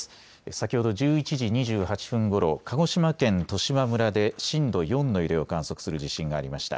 先ほど１１時２８分ごろ鹿児島県十島村で震度４の揺れを観測する地震がありました。